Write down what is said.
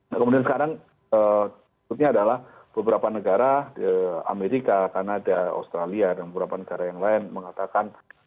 nah kemudian sekarang berikutnya adalah beberapa negara amerika kanada australia dan beberapa negara yang lain mengatakan